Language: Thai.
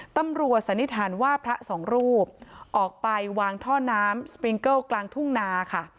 สันนิษฐานว่าพระสองรูปออกไปวางท่อน้ำสปริงเกิลกลางทุ่งนาค่ะ